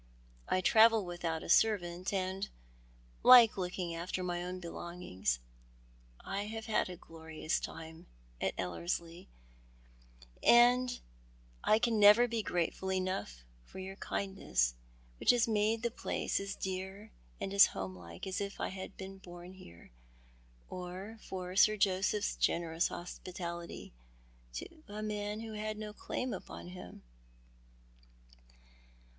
" I travel with out a servant, and like looking after my own belongings. I have had a glorious time at Ellerslie, and I never can be grateful enough for your kindness, which has made the place as dear and as homelike as if I had been born here, or for Sir Joseph's generous hospitality to a man who had no clSim upon him."